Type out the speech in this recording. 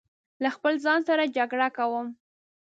له خپل ځان سره جګړه کوم